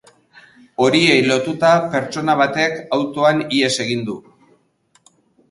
Horiei lotuta, pertsona batek autoan ihes egin du.